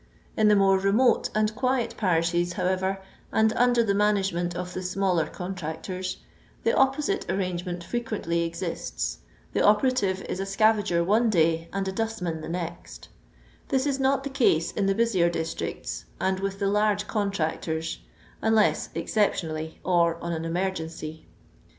In the more remote and quiet parishes, however, and under the management of the smaller contractors, the oppo site arrangement frequently exists; the operative is a scavager one day, and a dustman the next This is not the case in the busier districts, and with the large contractors, unless exceptionally, or on an emergency.